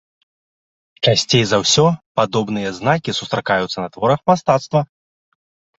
Часцей за ўсё падобныя знакі сустракаюцца на творах мастацтва.